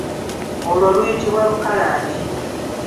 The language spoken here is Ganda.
Olwo luyitibwa olukalangi.